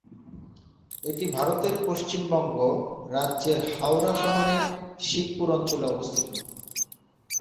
এটি ভারতের পশ্চিমবঙ্গ রাজ্যের হাওড়া শহরের শিবপুর অঞ্চলে অবস্থিত।